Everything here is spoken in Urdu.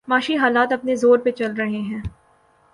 معاشی حالات اپنے زور پہ چل رہے ہیں۔